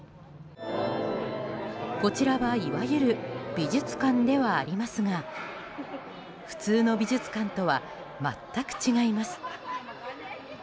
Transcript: こちらは、いわゆる美術館ではありますが普通の美術館とは全く違います。